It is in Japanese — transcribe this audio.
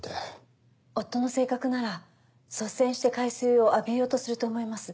率先して海水を浴びようとすると思います